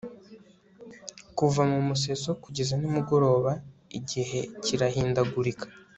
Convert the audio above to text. kuva mu museso kugeza nimugoroba, igihe kirahindagurika